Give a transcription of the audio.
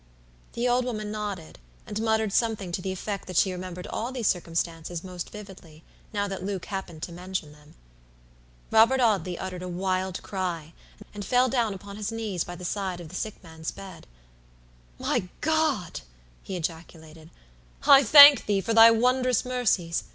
The old woman nodded, and muttered something to the effect that she remembered all these circumstances most vividly, now that Luke happened to mention them. Robert Audley uttered a wild cry, and fell down upon his knees by the side of the sick man's bed. "My God!" he ejaculated, "I think Thee for Thy wondrous mercies.